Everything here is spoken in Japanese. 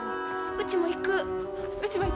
うちも行く。